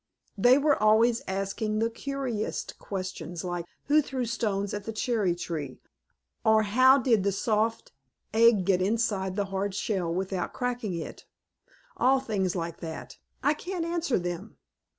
They were always asking the curiousestest questions like 'Who threw stones at the cherry tree?' or 'How did the soft egg get inside the hard shell without cracking it?' All things like that. I can't answer them!"